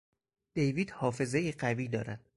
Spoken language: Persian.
دیوید حافظهای قوی دارد.